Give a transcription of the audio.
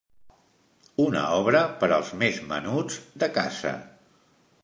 Una obra per als més menuts de casa.